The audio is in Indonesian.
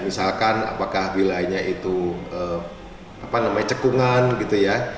misalkan apakah wilayahnya itu cekungan gitu ya